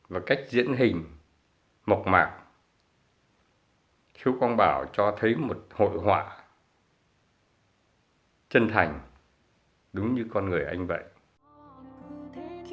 và cách diễn hình mộc mạc khiếu quang bảo cho thấy một hội họa chân thành đúng như con người anh vậy